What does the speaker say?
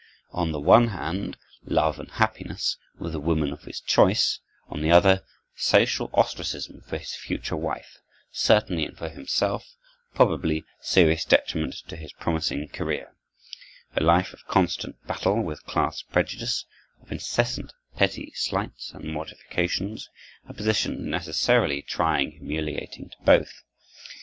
On the one hand, love and happiness with the woman of his choice; on the other, social ostracism for his future wife, certainly, and for himself, probably; serious detriment to his promising career; a life of constant battle with class prejudice, of incessant petty slights and mortifications; a position necessarily trying and humiliating to both.